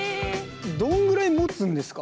どんぐらいもつんですか